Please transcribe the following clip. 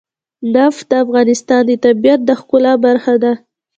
نفت د افغانستان د طبیعت د ښکلا برخه ده.